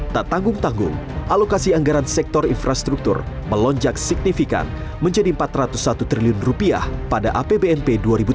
tak tanggung tanggung alokasi anggaran sektor infrastruktur melonjak signifikan menjadi rp empat ratus satu triliun pada apbnp dua ribu tujuh belas